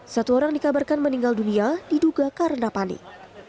satu orang dikabarkan meninggal dunia diduga karena panik